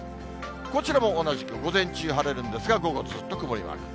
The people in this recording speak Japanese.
こちらも同じく、午前中晴れるんですが、午後ずっと曇りマーク。